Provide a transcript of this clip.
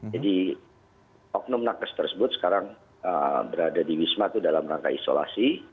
jadi oknum nakes tersebut sekarang berada di wisma itu dalam rangka isolasi